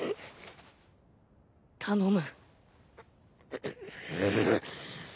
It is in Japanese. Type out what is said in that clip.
頼む。